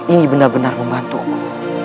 ini benar benar membantuku